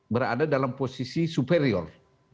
berada dalam posisi superior